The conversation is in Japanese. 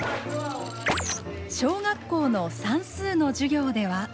小学校の算数の授業では。